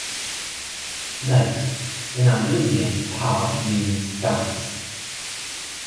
Note: in Armenian "par" means "dance".